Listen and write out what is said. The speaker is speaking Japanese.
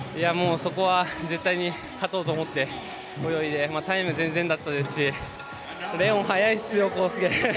そこは絶対勝とうと思って泳いでタイム全然だったですしレオン速いっすよ、公介。